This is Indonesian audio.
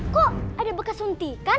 kok ada bekas suntikan